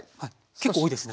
結構多いですね。